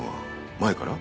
前から？